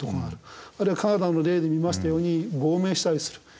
あるいはカナダの例で見ましたように亡命したりする。